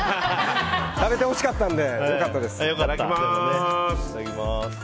食べてほしかったんで良かったです。